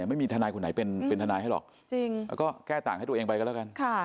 ไม่มีทนายคนไหนเป็นทนายให้หรอกแล้วก็แก้ต่างให้ตัวเองไปกันแล้วกัน